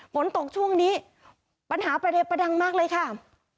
ฝนตกช่วงนี้ปัญหาประเทศประดังมากเลยค่ะ